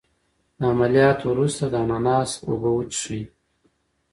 د عملیات وروسته د اناناس اوبه وڅښئ